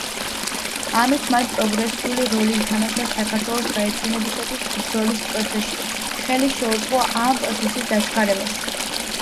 ამით მან პროგრესული როლი ითამაშა საქართველოს გაერთიანებისათვის ბრძოლის პროცესში, ხელი შეუწყო ამ პროცესის დაჩქარებას.